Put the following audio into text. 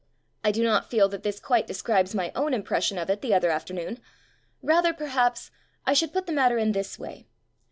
I do not feel that this quite describes my own impression of it the other afternoon. Rather, per haps, I should put the matter in this way.